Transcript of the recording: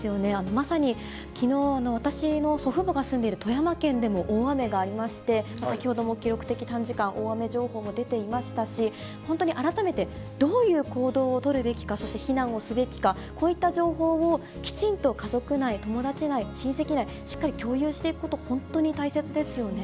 まさにきのう、私の祖父母が住んでいる富山県でも大雨がありまして、先ほども記録的短時間大雨情報も出ていましたし、本当に改めて、どういう行動を取るべきか、そして避難をすべきか、こういった情報をきちんと家族内、友達内、親戚内、しっかり共有していくこと、本当に大切ですよね。